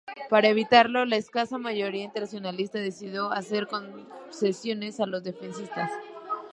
Para evitarlo, la escasa mayoría internacionalista decidió hacer concesiones a los defensistas.